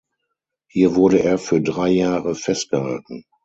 Hier wurde er für drei Jahre festgehalten.